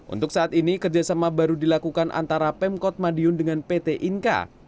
untuk saat ini kerjasama baru dilakukan antara pemkot madiun dengan pt inka